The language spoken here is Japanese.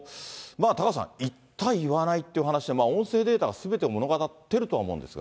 タカさん、言った、言わないっていう話で、音声データがすべてを物語ってるとは思うんですが。